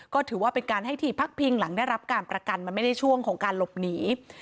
ก็ถือว่าเป็นการให้ที่พักพิงหลังได้รับการประกันมันไม่ได้ช่วงของการหลบหนี